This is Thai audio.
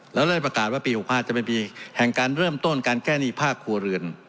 แล้วเริ่มประกาศว่าปี๖๕จะเป็นปีแห่งการเริ่มต้นการแก้หนี้ภาคครัวเรือน